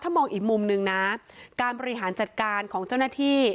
มองอีกมุมนึงนะการบริหารจัดการของเจ้าหน้าที่